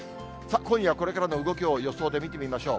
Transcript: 今夜これからの動きを予想で見てみましょう。